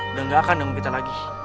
udah gak akan nemu kita lagi